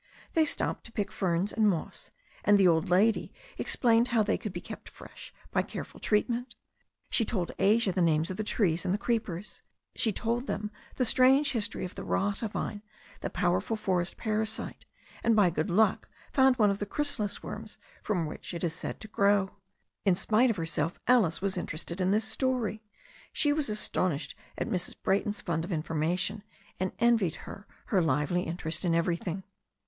They stopped to pick ferns and moss, and the old lady explained how they could be kept fresh by careful treatment. She told Asia the names of the trees and the creepers. She told them the strange history of the rata THE STORY OF A NEW ZEALAND RIVER 65 vine^ the powerful forest parasite, and by good luck found one of the chrysalis worms from which it is said to grow. In spite of herself Alice wds interested in this story. She was astonished at Mrs. Brayton's fund of information, and envied her her lively interest in everything.